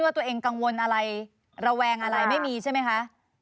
ตัวเองกังวลอะไรระแวงอะไรไม่มีใช่ไหมคะ